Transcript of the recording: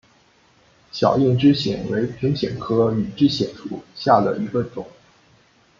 小硬枝藓为平藓科羽枝藓属下的一个种。